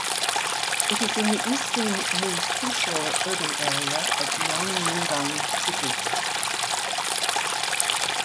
It is in the eastern new seashore urban area of Liangyungang City.